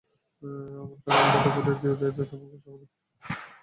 আমার টাক মাথাটা ধুয়ে দিতে তোমার তেমন কষ্ট হবে না।